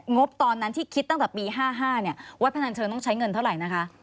บตอนนั้นที่คิดตั้งแต่ปี๕๕เนี่ยวัดพนันเชิงต้องใช้เงินเท่าไหร่นะคะ